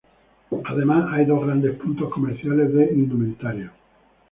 Además hay dos grandes puntos comerciales de indumentaria.